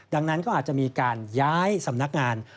ดังนั้นก็อาจจะมีการย้ายสำนักงาน